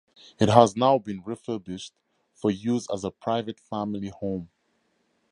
It has now been refurbished for use as a private family home.